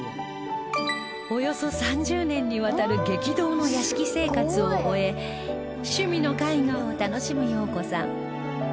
およそ３０年にわたる激動の屋敷生活を終え趣味の絵画を楽しむ洋子さん